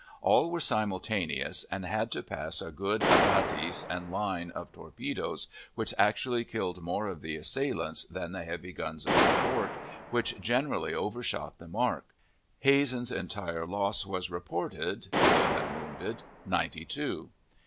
All were simultaneous, and had to pass a good abatis and line of torpedoes, which actually killed more of the assailants than the heavy guns of the fort, which generally overshot the mark. Hazen's entire loss was reported, killed and wounded, ninety two.